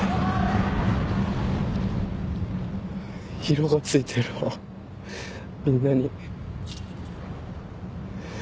色がついてるわみんなに。